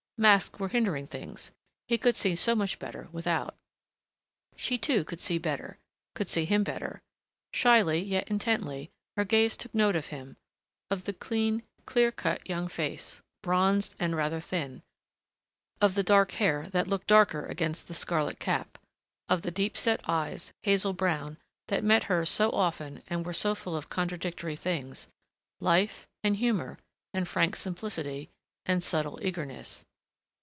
Masks were hindering things he could see so much better without. She, too, could see better could see him better. Shyly, yet intently, her gaze took note of him, of the clean, clear cut young face, bronzed and rather thin, of the dark hair that looked darker against the scarlet cap, of the deep set eyes, hazel brown, that met hers so often and were so full of contradictory things ... life ... and humor ... and frank simplicity ... and subtle eagerness.